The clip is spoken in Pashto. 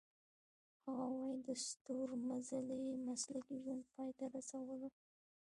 هغه وايي د ستورمزلۍ مسلکي ژوند پای ته رسولو .